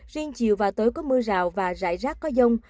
riêng chiều và tối có mưa rào và rải rác có dông